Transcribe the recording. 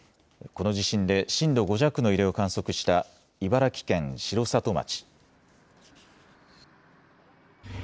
この地震で震度５弱の揺れを観測した茨城県城里町。